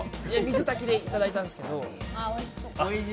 水炊きでいただいたんですけど。